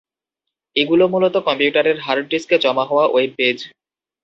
এগুলো মূলত কম্পিউটারের হার্ড ডিস্কে জমা হওয়া ওয়েব পেজ।